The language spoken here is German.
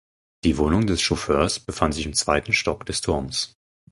Die Wohnung des Chauffeurs befand sich im zweiten Stock des Turms.